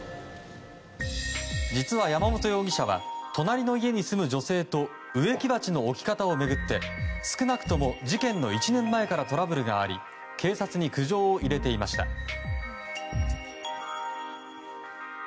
実は、山本容疑者は隣の家に住む女性と植木鉢の置き方を巡って少なくとも事件の１年前からトラブルがあり警察に苦情を入れていました。